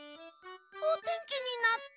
おてんきになった。